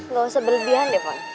gak usah berlebihan devon